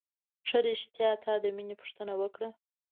ښه رښتيا تا د مينې پوښتنه وکړه.